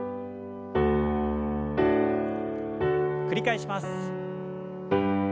繰り返します。